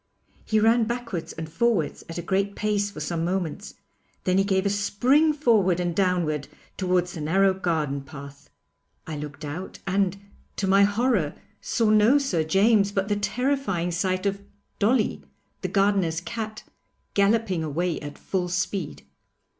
He ran backwards and forwards at a great pace for some moments, then he gave a spring forward and downward towards the narrow garden path. I looked out and, to my horror, saw no Sir James, but the terrifying sight of 'Dolly,' the gardener's cat, galloping away at full speed.